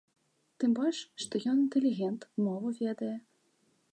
Тым больш, што ён інтэлігент, мову ведае.